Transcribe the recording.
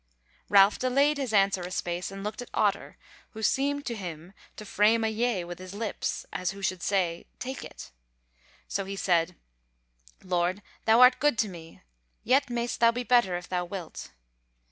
Ralph delayed his answer a space and looked at Otter, who seemed to him to frame a Yea with his lips, as who should say, take it. So he said: "Lord, thou art good to me, yet mayst thou be better if thou wilt."